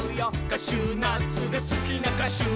「カシューナッツがすきなかしゅ」